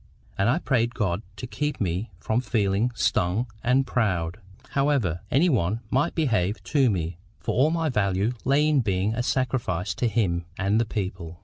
And I prayed God to keep me from feeling STUNG and proud, however any one might behave to me; for all my value lay in being a sacrifice to Him and the people.